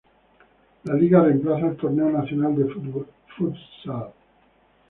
La Liga reemplaza al Torneo Nacional de Futsal.